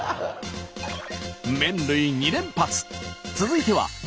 麺類２連発。